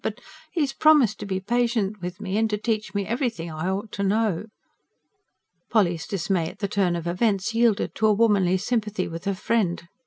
But 'e 'as promised to be patient with me, and to teach me everything I ought to know." Polly's dismay at the turn of events yielded to a womanly sympathy with her friend.